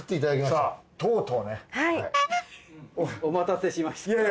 お待たせしました。